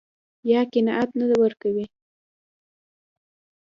يا قناعت نه ورکوي.